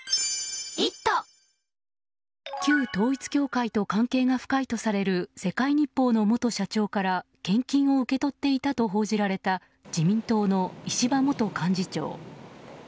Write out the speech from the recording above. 旧統一教会と関係が深いとされる世界日報の元社長から献金を受け取っていたと報じられた自民党の石破元幹事長。